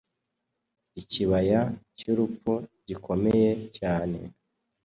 Ikibaya cy'urupfu gikomeye cyane.